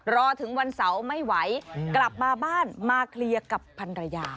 รอถึงวันเสาร์ไม่ไหวกลับมาบ้านมาเคลียร์กับพันรยา